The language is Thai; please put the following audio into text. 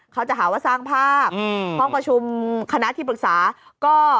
เขาจะหาว่าสร้างภาพห้องประชุมคณะที่ปรึกษาก็